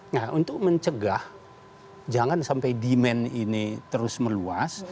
nah untuk mencegah jangan sampai demand ini terus meluas